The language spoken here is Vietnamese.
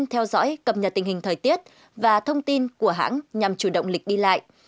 theo dõi cập nhật tình hình thời tiết và thông tin của hãng nhằm chủ động lịch đi lại